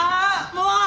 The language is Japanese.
もう！